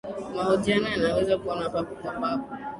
mahojiano yanaweza kuwa ya papo kwa papo